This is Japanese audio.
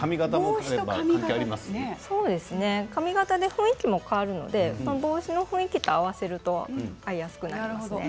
髪形で雰囲気も変わるので帽子の雰囲気と合わせると合いやすくなりますね。